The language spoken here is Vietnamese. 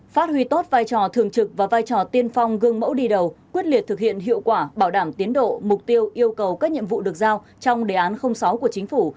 phát huy tốt vai trò thường trực và vai trò tiên phong gương mẫu đi đầu quyết liệt thực hiện hiệu quả bảo đảm tiến độ mục tiêu yêu cầu các nhiệm vụ được giao trong đề án sáu của chính phủ